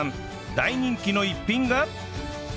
大人気の一品が